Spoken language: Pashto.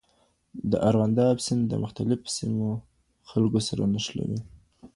د ارغنداب سیند د مختلفو سیمو خلک سره نښلوي.